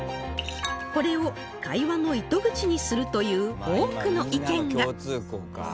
これを会話の糸口にするという多くの意見が